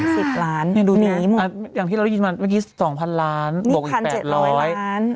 อืมหลายสิบล้านหนีหมดอย่างที่เราได้ยินมาเมื่อกี้สองพันล้านบวกอีกแปดร้อยนี่พันเจ็ดร้อยล้าน